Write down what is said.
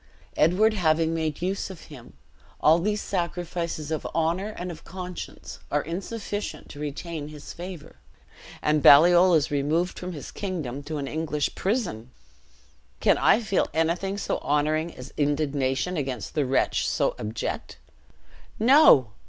Edward having made use of him, all these sacrifices of honor and of conscience are insufficient to retain his favor; and Baliol is removed from his kingdom to an English prison! Can I feel anything so honoring as indignation against a wretch so abject? No!